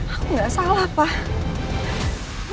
aku gak salah pak